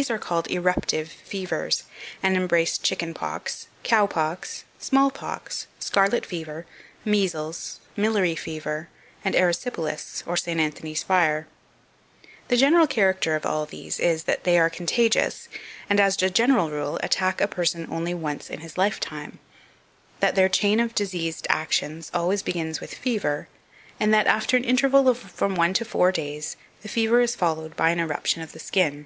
These are called Eruptive Fevers, and embrace chicken pox, cow pox, small pox, scarlet fever, measles, milary fever, and erysipelas, or St. Anthony's fire. 2537. The general character of all these is, that they are contagious, and, as a general rule, attack a person only once in his lifetime; that their chain of diseased actions always begins with fever, and that, after an interval of from one to four days, the fever is followed by an eruption of the skin.